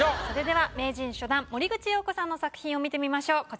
それでは名人初段森口瑤子さんの作品を見てみましょう。